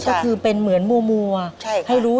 ก็คือเป็นเหมือนมัวให้รู้